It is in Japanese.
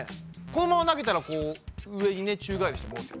このまま投げたらこう上にね宙返りして戻ってきた。